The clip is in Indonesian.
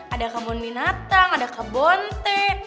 ada kebun binatang ada kebun teh